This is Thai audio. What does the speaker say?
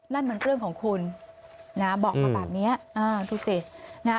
นั่นมันเรื่องของคุณนะบอกมาแบบเนี้ยอ่าดูสินะฮะ